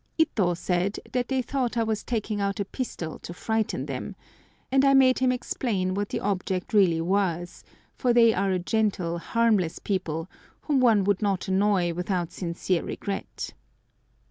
Ito said that they thought I was taking out a pistol to frighten them, and I made him explain what the object really was, for they are a gentle, harmless people, whom one would not annoy without sincere regret.